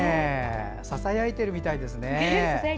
ささやいているみたいですね。